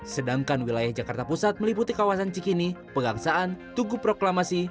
sedangkan wilayah jakarta pusat meliputi kawasan cikini pegangsaan tugu proklamasi